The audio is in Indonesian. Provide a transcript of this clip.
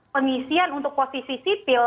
pengisian untuk posisi sipil